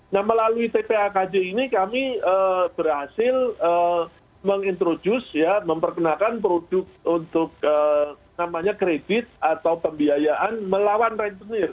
nah melalui tpa kj ini kami berhasil mengintroduce ya memperkenalkan produk untuk namanya kredit atau pembiayaan melawan rentenir